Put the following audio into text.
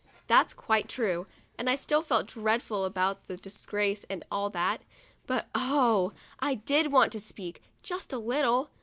That's quite true, and I still felt dreadful about the disgrace and all that, but oh ! I did so want to speak, just a little.